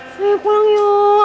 ntar orang ngeganggu mak